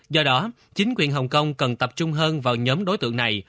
do đó chính quyền hồng kông cần tập trung hơn vào nhóm đối tượng này